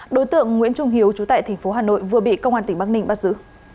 đối tượng nguyễn trung hiếu trú tại tp hà nội vừa bị công an tỉnh bắc ninh bắt giữ